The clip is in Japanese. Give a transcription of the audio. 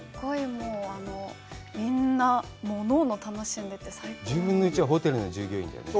もうみんなおのおの楽しんでて１０分の１はホテルの従業員だよね